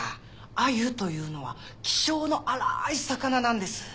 アユというのは気性の荒い魚なんです。